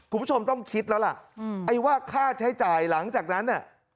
คุณผู้ชมต้องคิดแล้วล่ะไอ้ว่าค่าใช้จ่ายหลังจากนั้นน่ะ